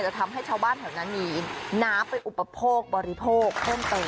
ทำให้ชาวบ้านแถวนั้นมีน้ำไปอุปโภคบริโภคเพิ่มเติม